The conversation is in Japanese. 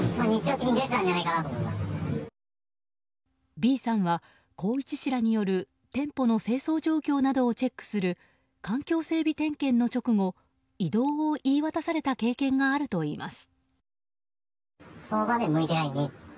Ｂさんは、宏一氏らによる店舗の清掃状況などをチェックする環境整備点検の直後異動を言い渡された経験があるといいます。